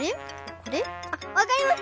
あっわかります